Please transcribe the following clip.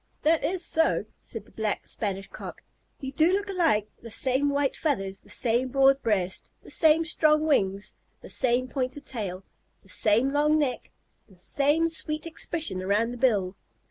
"That is so," said the Black Spanish Cock. "You do look alike; the same white feathers, the same broad breast, the same strong wings, the same pointed tail, the same long neck, the same sweet expression around the bill!"